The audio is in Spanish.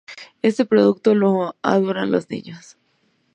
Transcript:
Este producto lo adoran los niños.